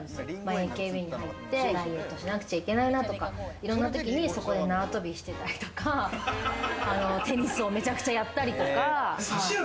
ＡＫＢに入ってダイエットしなくちゃいけないなというときにそこで縄跳びしてたりとか、テニスをめちゃくちゃやったりとか。